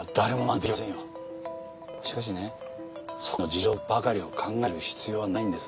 そこまで犯人の事情ばかりを考える必要はないんです。